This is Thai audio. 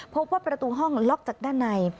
พบว่าประตูห้องล็อกจากด้านใน